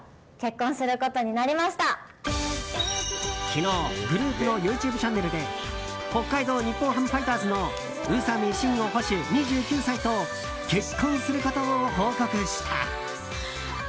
昨日、グループのＹｏｕＴｕｂｅチャンネルで北海道日本ハムファイターズの宇佐見真吾捕手、２９歳と結婚することを報告した。